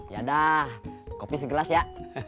yadah kopi segelas ya